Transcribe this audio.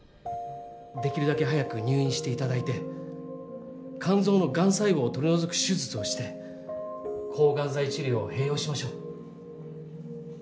できるだけ早く入院して頂いて肝臓のがん細胞を取り除く手術をして抗がん剤治療を併用しましょう。